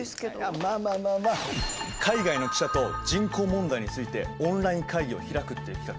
まあまあまあまあ海外の記者と人口問題についてオンライン会議を開くっていう企画。